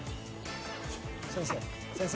先生先生。